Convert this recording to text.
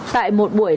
tại một buổi làm sáng